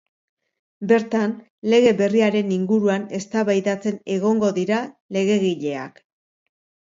Bertan lege berriaren inguruan eztabaidatzen egongo dira legegileak.